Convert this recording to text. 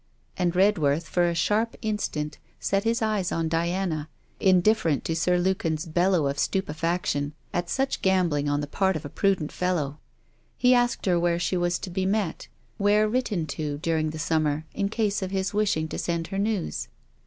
And Redworth for a sharp instant set his eyes on Diana, indifferent to Sir Lukin's bellow of stupefaction at such gambling on the part of a prudent fellow. He asked her where she was to be met, where written to, during the Summer, in case of his wishing to send her news.